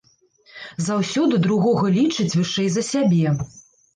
Заўсёды другога лічыць вышэй за сябе.